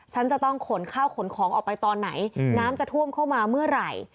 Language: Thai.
ฉันจะต้องขนข้าวขนของออกไปตอนไหนน้ำจะท่วมเข้ามาเมื่อไหร่